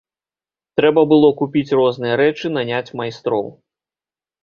Трэба было купіць розныя рэчы, наняць майстроў.